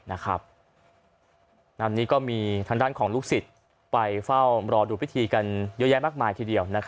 และทางด้านของลูกศิษย์ผู้ก็เจอกันรอดูพิธีก่อนเยอะแยะมากมายทีเดียว